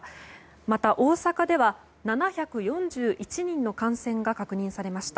また、大阪では７４１人の感染が確認されました。